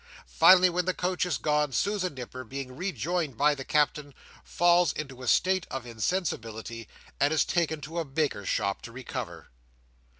Finally, when the coach is gone, Susan Nipper, being rejoined by the Captain, falls into a state of insensibility, and is taken into a baker's shop to recover.